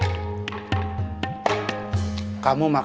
bikin teh panas manis